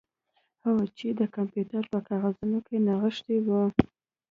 هو چې د کمپیوټر په کاغذونو کې نغښتې وه